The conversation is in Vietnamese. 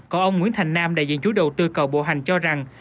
còn ông nguyễn thành nam đại diện chú đầu tư cầu bộ hành cho rằng